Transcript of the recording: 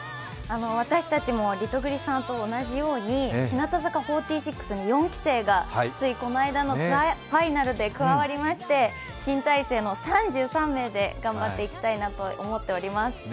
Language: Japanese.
私たちもリトグリさんと同じように日向坂４６の４期生がついこの間のツアーファイナルで加わりまして新体制の３３名で頑張っていきたいなと思っております。